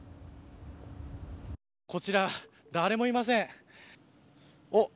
こちら誰もいません。